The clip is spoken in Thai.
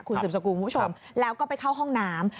คุณสืบสกุลคุณผู้ชมแล้วก็ไปเข้าห้องน้ำ